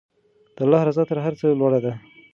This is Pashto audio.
د الله رضا تر هر څه لوړه ده.